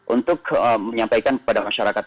untuk menyampaikan kepada masyarakat